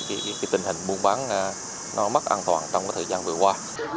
thì cái tình hình buôn bán nó mất an toàn trong cái thời gian vừa qua